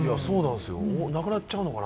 なくなっちゃうのかな？